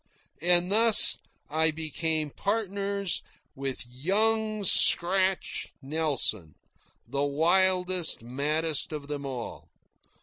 And thus I became partners with "Young Scratch" Nelson, the wildest, maddest of them all.